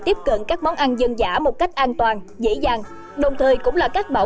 tiếp cận các món ăn dân dã một cách an toàn dễ dàng